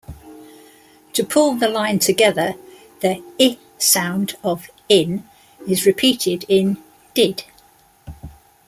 To pull the line together, the "i" sound of "In" is repeated in "did".